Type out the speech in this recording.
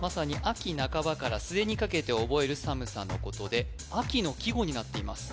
秋半ばから末にかけて覚える寒さのことで秋の季語になっています